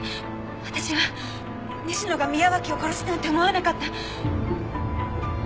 私は西野が宮脇を殺すなんて思わなかった！